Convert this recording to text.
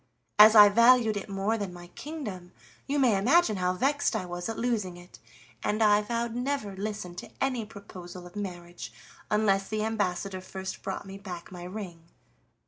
As I valued it more than my kingdom, you may imagine how vexed I was at losing it, and I vowed to never listen to any proposal of marriage unless the ambassador first brought me back my ring.